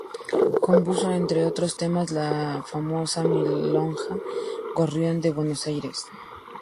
Compuso, entre otros temas, la famosa milonga "Gorrión de Buenos Aires".